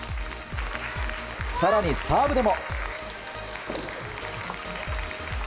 更に、サーブでも。